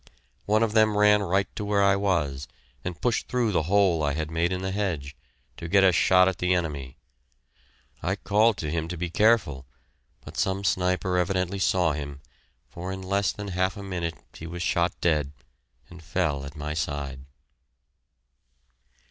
One of them ran right to where I was, and pushed through the hole I had made in the hedge, to get a shot at the enemy. I called to him to be careful, but some sniper evidently saw him, for in less than half a minute he was shot dead, and fell at my side.